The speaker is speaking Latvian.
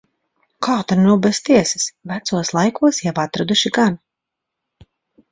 Kā ta nu bez tiesas. Vecos laikos jau atraduši gan.